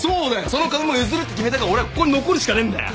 その株も譲るって決めたから俺はここに残るしかねえんだよ。